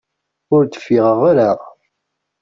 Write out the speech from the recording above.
Ur d-fiɣeɣ ara.